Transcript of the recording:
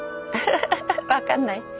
分かんない？